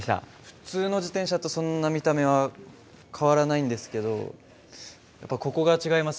普通の自転車とそんな見た目は変わらないんですけどやっぱここが違いますね。